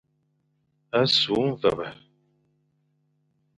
A su mvebe.